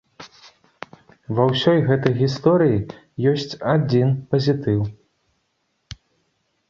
Ва ўсёй гэтай гісторыі ёсць адзін пазітыў.